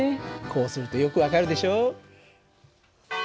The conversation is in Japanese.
こうするとよく分かるでしょ。